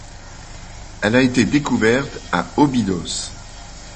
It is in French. Elle a été découverte à Óbidos.